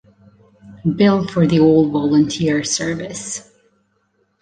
Bill for the all-volunteer service.